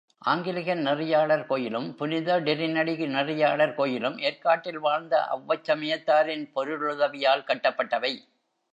Anglican நெறியாளர் கோயிலும், புனித டிரினிடி நெறியாளர் கோயிலும் ஏர்க்காட்டில் வாழ்ந்த அவ்வச்சமயத்தாரின் பொருளுதவியால் கட்டப்பட்டவை.